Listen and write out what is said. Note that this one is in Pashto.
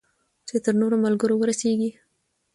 چې تر نورو ملګرو ورسیږي.